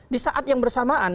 di saat yang bersamaan